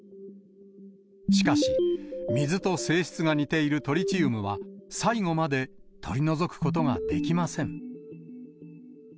しかし、水と性質が似ているトリチウムは、最後まで取り除くことができません。